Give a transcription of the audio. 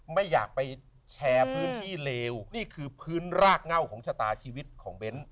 ไม่อยากไปแชร์พื้นที่เลวนี่คือพื้นรากเง่าของชะตาชีวิตของเบ้น